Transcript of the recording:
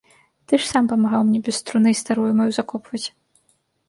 Ты ж сам памагаў мне без труны старую маю закопваць.